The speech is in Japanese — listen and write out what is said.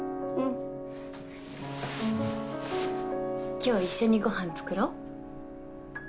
今日一緒にご飯作ろう。